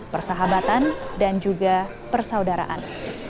persahabatan dan juga persaudaraan